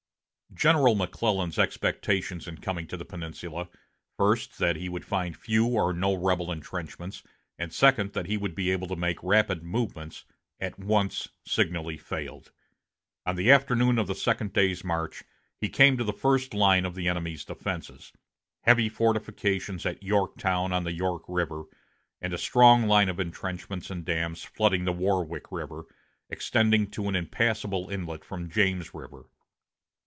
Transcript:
General McClellan's expectations in coming to the Peninsula, first, that he would find few or no rebel intrenchments, and, second, that he would be able to make rapid movements, at once signally failed. On the afternoon of the second day's march he came to the first line of the enemy's defenses, heavy fortifications at Yorktown on the York River, and a strong line of intrenchments and dams flooding the Warwick River, extending to an impassable inlet from James River.